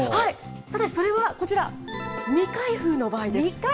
ただそれは、こちら、未開封ですか。